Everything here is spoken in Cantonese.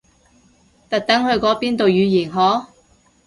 特登去嗰邊讀語言學？